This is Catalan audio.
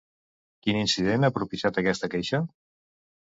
Quin incident ha propiciat aquesta queixa?